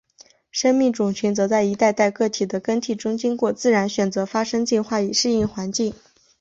生命种群则在一代代个体的更替中经过自然选择发生进化以适应环境。